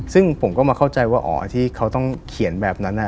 ซึ่งผมก็มาเข้าใจว่าอ๋อที่เขาต้องเขียนแบบนั้น